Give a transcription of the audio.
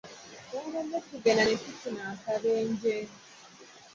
Twabadde tugenda okuziika ne tufuna akabenje.